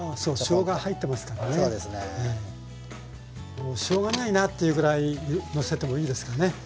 もうしょうがないなっていうぐらいのせてもいいですかね？